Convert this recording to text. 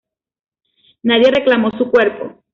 Nadie reclamó su cuerpo.